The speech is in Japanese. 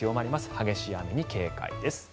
激しい雨に警戒です。